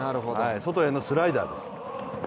外へのスライダーです。